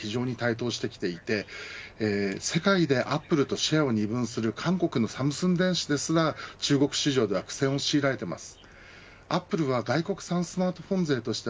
アンドロイド勢では中国の地場メーカーが台頭してきていて世界でアップルとシェアを二分する韓国のサムスン電子ですら中国市場はでは苦戦を強いられています。